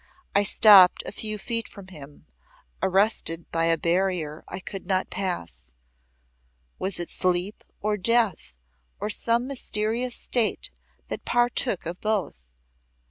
I stopped a few feet from him, arrested by a barrier I could not pass. Was it sleep or death or some mysterious state that partook of both?